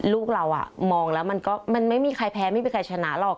ลูกเรามองแล้วมันก็มันไม่มีใครแพ้ไม่มีใครชนะหรอก